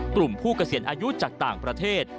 กลุ่มผู้เกษียณอายุจากต่างประเทศ